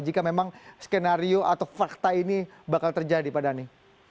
jika memang skenario atau fakta ini bakal terjadi pak dhani